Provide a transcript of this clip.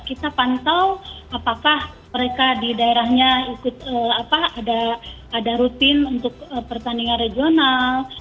kita pantau apakah mereka di daerahnya ikut ada rutin untuk pertandingan regional